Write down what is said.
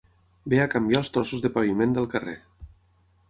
Veia canviar els trossos de paviment del carrer